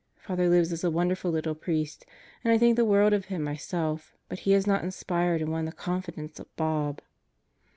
Father Libs is a wonderful little priest, and I think the world of him myself, but he has not inspired and won the confidence of Bob.